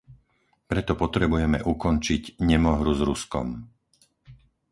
Preto potrebujeme ukončiť nemohru s Ruskom.